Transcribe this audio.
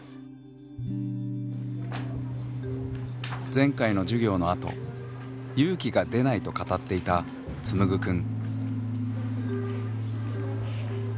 前回の授業のあと勇気が出ないと語っていたつむぐくん。